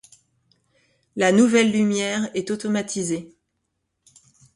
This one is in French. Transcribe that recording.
La nouvelle lumière est automatisée.